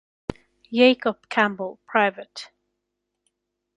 Jacob Campbell, Pvt.